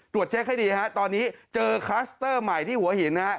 เช็คให้ดีฮะตอนนี้เจอคลัสเตอร์ใหม่ที่หัวหินนะฮะ